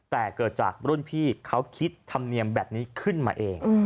แต่เกิดจากรุ่นพี่เขาคิดธรรมเนียมแบบนี้ขึ้นมาเอง